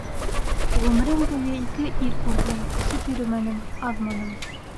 Ғүмерем буйы ике ир күрҙем - эсеп йөрөмәнем, аҙманым.